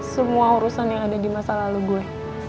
semua urusan yang ada di masa lalu gue